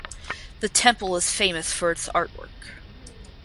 The temple is famous for its artwork.